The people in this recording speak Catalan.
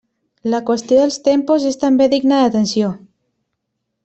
La qüestió dels tempos és també digna d'atenció.